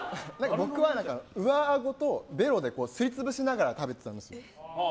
僕は上あごとベロですり潰しながら食べてたんです。